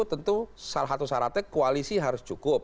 tentu salah satu syaratnya koalisi harus cukup